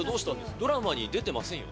ドラマに出てませんよね？